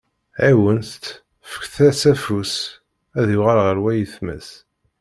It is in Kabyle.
Ɛiwent-t, fket-as afus, ad yuɣal ɣer wayetma-s.